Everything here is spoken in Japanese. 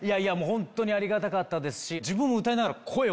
本当にありがたかったですし。